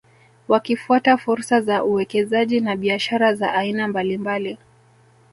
Wakifuata fursa za uwekezaji na biashara za aina mbalimbali